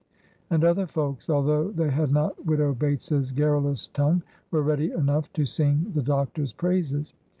'" And other folks, although they had not Widow Bates's garrulous tongue, were ready enough to sing the doctor's praises.